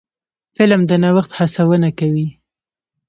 فلم د نوښت هڅونه کوي